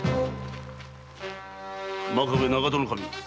真壁長門守。